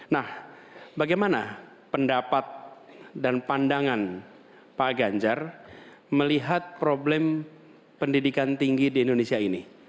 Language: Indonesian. nah bagaimana pendapat dan pandangan pak ganjar melihat problem pendidikan tinggi di indonesia ini